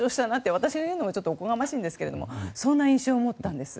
私が言うのはおこがましいんですがそんな印象を持ったんです。